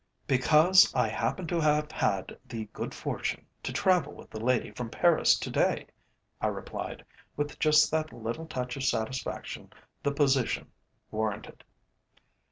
"Because I happen to have had the good fortune to travel with the lady from Paris to day," I replied, with just that little touch of satisfaction the position warranted.